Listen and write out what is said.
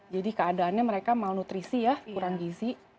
jadi keadaannya mereka malnutrisi ya kurang gizi